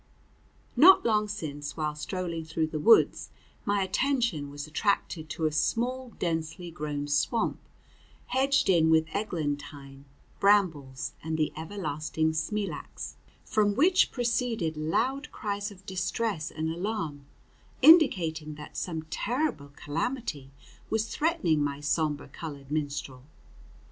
Not long since, while strolling through the woods, my attention was attracted to a small densely grown swamp, hedged in with eglantine, brambles, and the everlasting smilax, from which proceeded loud cries of distress and alarm, indicating that some terrible calamity was threatening my sombre colored minstrel.